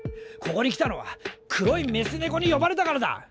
ここに来たのは黒いメス猫に呼ばれたからだ。